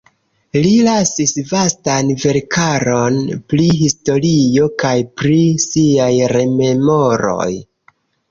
Li lasis vastan verkaron pri historio kaj pri siaj rememoroj.